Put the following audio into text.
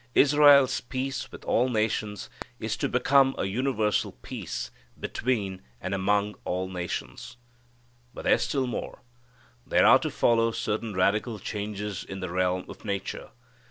Israel's peace with all nations is to become a universal peace between and among all nations. But there's still more. There are to follow certain radical changes in the realm of nature.